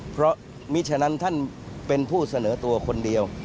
เพราะมิฉะนั้นท่านเป็นผู้เสนอตัวคนเดียว